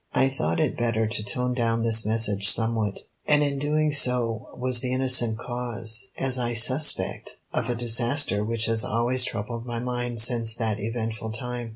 I thought it better to tone down this message somewhat, and in doing so was the innocent cause, as I suspect, of a disaster which has always troubled my mind since that eventful time.